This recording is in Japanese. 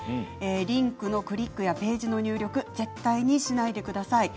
リンクのクリックやページの入力は絶対にしないでください。